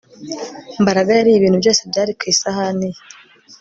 Mbaraga yariye ibintu byose byari ku isahani ye